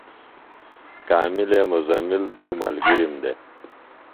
کاملے مُزمل دُو ملگِرم دےۡ۔